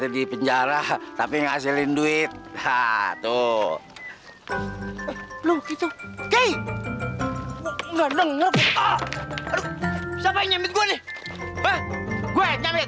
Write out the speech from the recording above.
di penjara tapi ngasihin duit ha tuh lu gitu enggak denger kok siapain nyambit gua nih